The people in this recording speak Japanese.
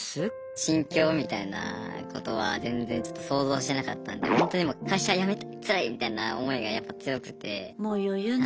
心境みたいなことは全然ちょっと想像してなかったんでホントにもう会社辞めたいつらいみたいな思いがやっぱ強くて。